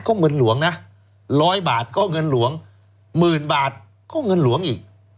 ก็เงินหลวงนะ๑๐๐บาทก็เงินหลวงหมื่นบาทก็เงินหลวงอีก